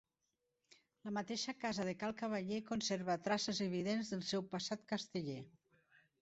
La mateixa casa de Cal Cavaller conserva traces evidents del seu passat casteller.